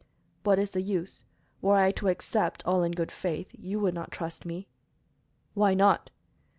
"What is the use? Were I to accept, all in good faith, you would not trust me." "Why not?"